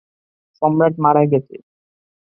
সম্রাট মারা গেছে!